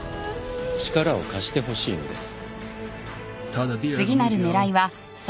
力を貸してほしいのです。